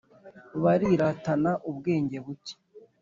Bariratana ubwenge buke.